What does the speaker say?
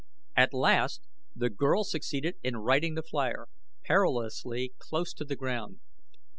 At last the girl succeeded in righting the flier, perilously close to the ground.